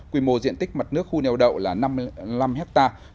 quy mô diện tích mặt nước khu neo đậu là năm mươi năm hectare